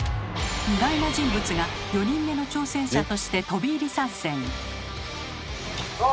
意外な人物が４人目の挑戦者として飛び入り参戦。